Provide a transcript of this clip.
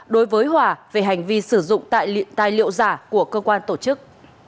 đối với hòa về hành vi sử dụng tại liện tài liệu giả của cơ quan tổ chức